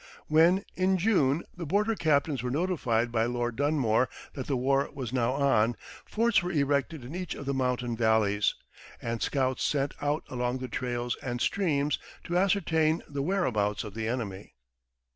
When, in June, the border captains were notified by Lord Dunmore that the war was now on, forts were erected in each of the mountain valleys, and scouts sent out along the trails and streams to ascertain the whereabouts of the enemy.